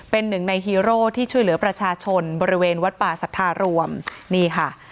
เป็นหนึ่งในฮีโร่ที่ช่วยเหลือประชาชนบริเวณวัดป่าสัทธารวมนี่ค่ะ